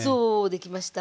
できました。